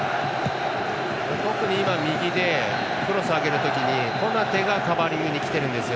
特に今、右でクロスを上げるときにコナテがカバーリングにきてるんですよ。